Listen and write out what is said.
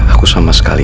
aku sama sekali